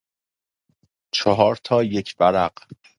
چهار تا یک ورق